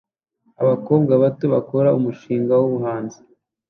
Abakobwa bato bakora umushinga wubuhanzi